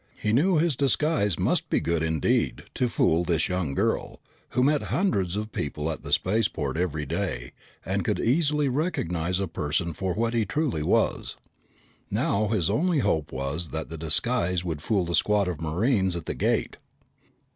He knew his disguise must be good indeed to fool this young girl, who met hundreds of people at the spaceport every day and could easily recognize a person for what he truly was. Now his only hope was that the disguise would fool the squad of Marines at the gate.